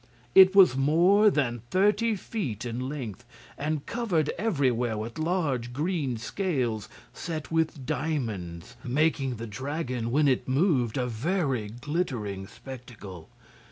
It was more than thirty feet in length and covered everywhere with large green scales set with diamonds, making the dragon, when it moved, a very glittering spectacle.